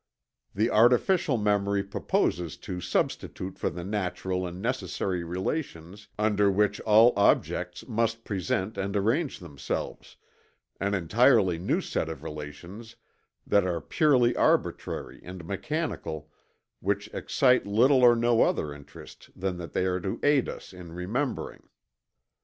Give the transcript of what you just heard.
The artificial memory proposes to substitute for the natural and necessary relations under which all objects must present and arrange themselves, an entirely new set of relations that are purely arbitrary and mechanical, which excite little or no other interest than that they are to aid us in remembering.